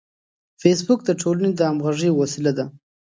فېسبوک د ټولنې د همغږۍ وسیله ده